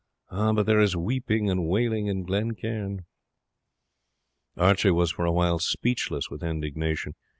Ah! but there is weeping and wailing in Glen Cairn!" Archie was for a while speechless with indignation.